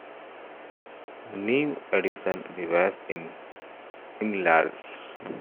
New edition, revised and enlarged.